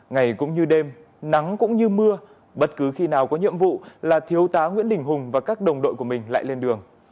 ngày cũng như đêm nắng cũng như mưa bất cứ khi nào có nhiệm vụ là thiếu tá nguyễn đình hùng và các đồng đội của mình lại lên đường